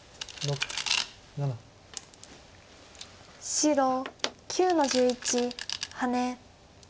白９の十一ハネ。